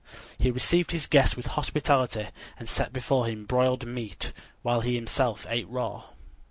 He received his guest with hospitality and set before him broiled meat, while he himself ate raw.